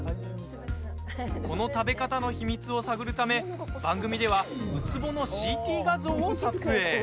この食べ方の秘密を探るため番組ではウツボのＣＴ画像を撮影。